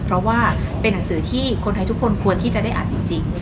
เพราะว่าเป็นหนังสือที่คนไทยทุกคนควรที่จะได้อ่านจริง